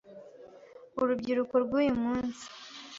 Urubyiruko rw’uyu munsi